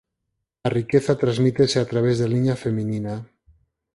A riqueza transmítese a través da liña feminina.